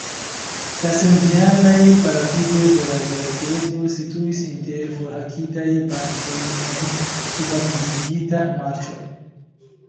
La senviandaj palafitoj de la vilaĝeto situis inter forhakitaj branĉoj en subakvigita marĉo.